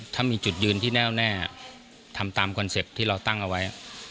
ถ้ามีจุดยืนที่แน่วแน่ทำตามคอนเซ็ปต์ที่เราตั้งเอาไว้